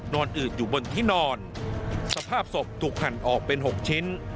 อืดอยู่บนที่นอนสภาพศพถูกหั่นออกเป็น๖ชิ้น